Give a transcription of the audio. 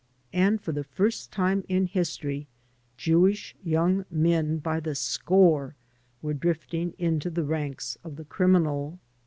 And for the first time in history Jewish young men by the score were drifting into the ranks of the criminal.